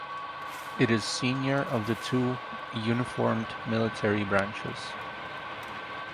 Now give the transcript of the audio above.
It is senior of the two uniformed military branches.